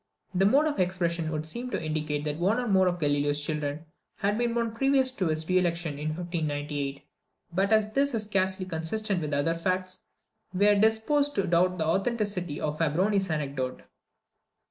The mode of expression would seem to indicate that one or more of Galileo's children had been born previous to his re election in 1598; but as this is scarcely consistent with other facts, we are disposed to doubt the authenticity of Fabbroni's anecdote.